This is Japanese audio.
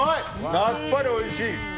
やっぱりおいしい！